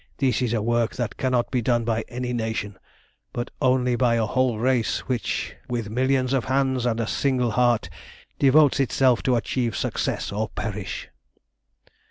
This is a work that cannot be done by any nation, but only by a whole race, which with millions of hands and a single heart devotes itself to achieve success or perish."